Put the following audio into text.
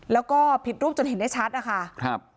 แล้วก็ผิดรูปจนเห็นได้ชัดนะคะ